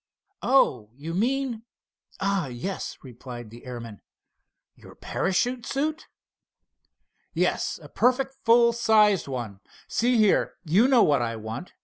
"Oh, you mean—ah, yes," replied the airman, "your parachute suit?" "Yes, a perfect full sized one. See here, you know what I want.